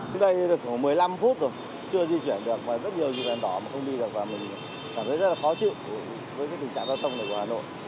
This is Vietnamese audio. tôi đã di chuyển được chưa di chuyển được và rất nhiều người đàn đỏ không đi được và mình cảm thấy rất là khó chịu với tình trạng giao thông này của hà nội